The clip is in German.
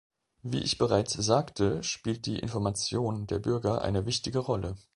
Wie ich bereits sagte, spielt die Information der Bürger eine wichtige Rolle.